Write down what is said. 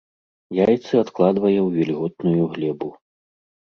Яйцы адкладвае ў вільготную глебу.